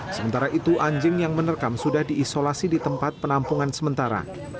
sementara itu anjing yang menerkam sudah diisolasi di tempat penampungan sementara